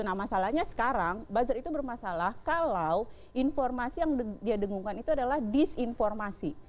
nah masalahnya sekarang buzzer itu bermasalah kalau informasi yang dia dengungkan itu adalah disinformasi